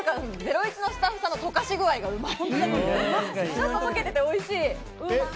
『ゼロイチ』のスタッフさんの溶かし具合がうまい。